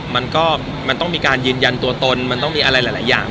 มันก็มันต้องมีการยืนยันตัวตนมันต้องมีอะไรหลายอย่าง